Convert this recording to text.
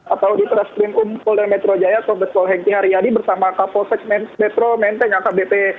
atau di kedas krim umum kolder metro jaya sobetol hengkihari yadi bersama kapol pesek metro menteng akbp